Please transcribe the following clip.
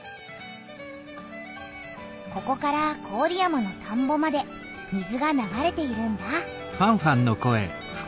ここから郡山の田んぼまで水が流れているんだ。